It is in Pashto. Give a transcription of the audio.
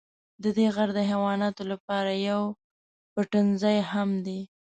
ددې غر د حیواناتو لپاره یو پټنځای هم دی.